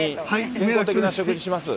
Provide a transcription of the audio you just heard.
きのこ的な食事します。